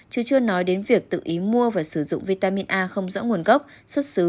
chứ chưa nói đến việc tự ý mua và sử dụng vitamin a không rõ nguồn gốc xuất xứ